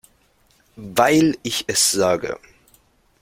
Weil ich es sage.